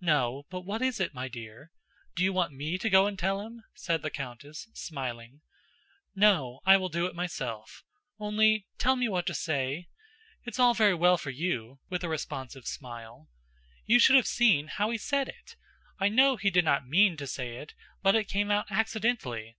"No, but what is it, my dear? Do you want me to go and tell him?" said the countess smiling. "No, I will do it myself, only tell me what to say. It's all very well for you," said Natásha, with a responsive smile. "You should have seen how he said it! I know he did not mean to say it, but it came out accidently."